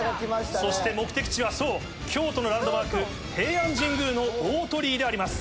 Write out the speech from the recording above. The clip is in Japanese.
そして目的地はそう京都のランドマーク平安神宮の大鳥居であります。